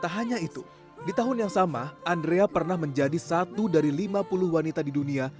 tak hanya itu di tahun yang sama andrea pernah menjadi satu dari lima puluh wanita di dunia